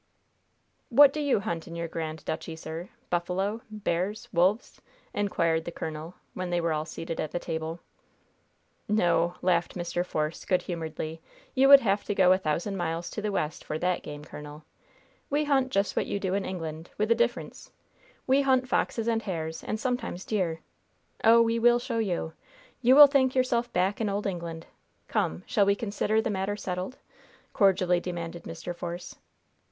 "What do you hunt in your grand duchy, sir? Buffalo? Bears? Wolves?" inquired the colonel, when they were all seated at the table. "No," laughed Mr. Force, good humoredly. "You would have to go a thousand miles to the west for that game, colonel. We hunt just what you do in England with a difference we hunt foxes and hares, and sometimes deer. Oh, we will show you! You will think yourself back in old England. Come. Shall we consider the matter settled?" cordially demanded Mr. Force.